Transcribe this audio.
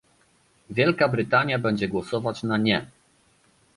Wielka Brytania będzie głosować na "nie"